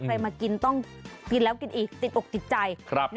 มากินต้องกินแล้วกินอีกติดอกติดใจ